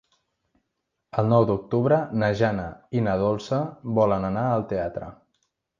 El nou d'octubre na Jana i na Dolça volen anar al teatre.